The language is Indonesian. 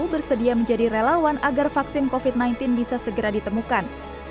bersedia menjadi relawan agar vaksin covid sembilan belas bisa segera ditemukan